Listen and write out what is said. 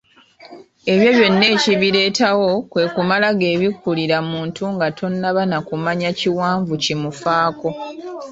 Ebyo byonna ekibireetawo kwe kumala geebikkulira muntu nga tonnaba nakumanya kiwanvu kimufaako.